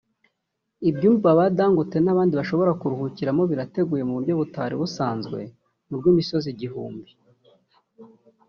ibyumba ba Dangote n’abandi bashobora kuruhukiramo birateguye mu buryo butari busanzwe mu rw’imisozi igihumbi